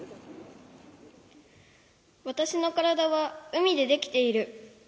「わたしの体はうみでできている」